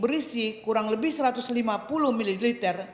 berisi kurang lebih satu ratus lima puluh ml